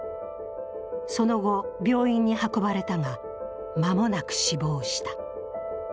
その後病院に運ばれたが間もなく死亡した。